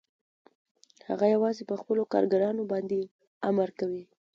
هغه یوازې په خپلو کارګرانو باندې امر کوي